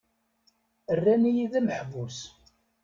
Rran-iyi d ameḥbus.